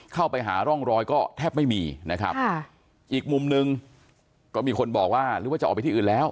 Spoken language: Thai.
เข้าไปหาร่องรอยก็แทบไม่มีนะครับอีกมุมหนึ่งก็มีคนบอกว่าหรือว่าจะออกไปที่อื่นแล้ว